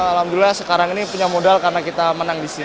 alhamdulillah sekarang ini punya modal karena saya sudah menang di c liga ini